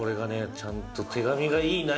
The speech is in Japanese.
ちゃんと手紙がいい内容